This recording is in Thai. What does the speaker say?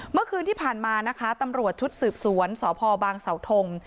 เมื่อคืนที่ผ่านมานะคะตำรวจชุดสืบสวนสพบางเสาทง